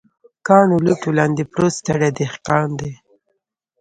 کاڼو، لوټو لاندې پروت ستړی دهقان دی